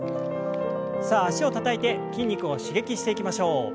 さあ脚をたたいて筋肉を刺激していきましょう。